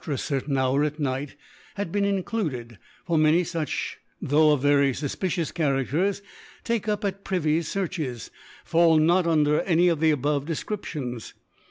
a certain Hour at Night, had been included ; for many fuch, tho' of very fufpicious Characters, taken up at Privy Searches, fall not under any of the abov« Dcfcriptions.